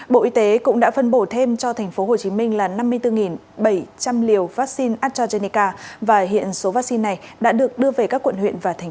bộ y tế cũng đã phân bổ thêm cho tp hcm là năm mươi bốn bảy trăm linh liều vaccine astrazeneca và hiện số vaccine này đã được đưa về các quận huyện và thành phố